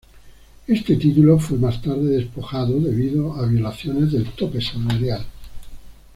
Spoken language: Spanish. Este título fue más tarde despojado debido a violaciones del tope salarial.